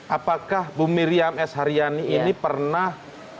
apakah bu miriam s haryani ini pernah